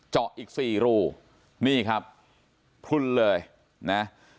เจาะอีก๔รูนี่ครับพลุนเลยนะ